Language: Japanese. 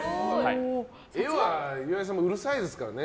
絵は、岩井さんうるさいですからね。